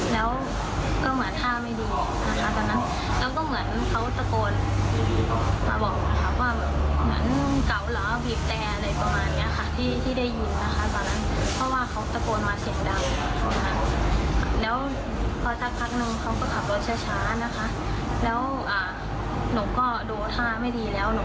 แล้วหนูก็ดูท่าไม่ดีแล้ว